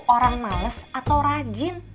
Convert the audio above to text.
orang males atau rajin